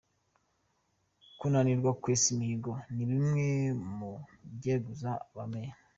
Kunanirwa kwesa imihigo ni bimwe mu byeguza ba Meya.